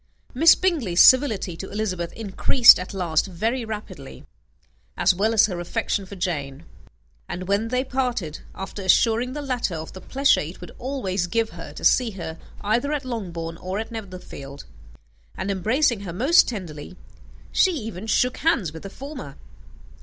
Miss Bingley's civility to Elizabeth increased at last very rapidly, as well as her affection for Jane; and when they parted, after assuring the latter of the pleasure it would always give her to see her either at Longbourn or Netherfield, and embracing her most tenderly, she even shook hands with the former.